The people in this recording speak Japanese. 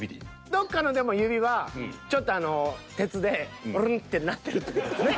どっかのでも指はちょっとあの鉄でブルルンってなってるって事ですね。